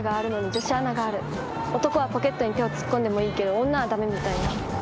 男はポケットに手を突っ込んでもいいけど女は駄目みたいな。